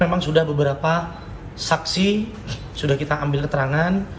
memang sudah beberapa saksi sudah kita ambil keterangan